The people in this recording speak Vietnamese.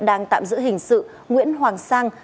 đang tạm giữ hình sự nguyễn hoàng sang